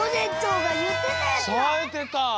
さえてた！